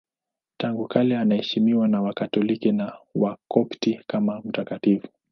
Tangu kale anaheshimiwa na Wakatoliki na Wakopti kama mtakatifu.